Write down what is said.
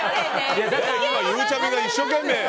今、ゆうちゃみが一生懸命。